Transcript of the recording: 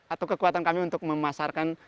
atau kekuatan kami untuk memasarkan